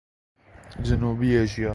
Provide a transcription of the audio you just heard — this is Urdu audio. جنوبی ایشیا